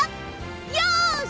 よし！